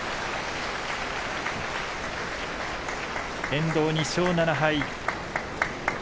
遠藤、２勝７敗。